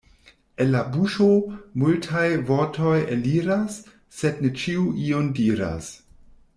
El la buŝo multaj vortoj eliras, sed ne ĉiuj ion diras.